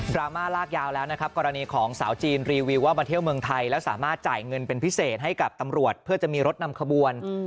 ราม่าลากยาวแล้วนะครับกรณีของสาวจีนรีวิวว่ามาเที่ยวเมืองไทยแล้วสามารถจ่ายเงินเป็นพิเศษให้กับตำรวจเพื่อจะมีรถนำขบวน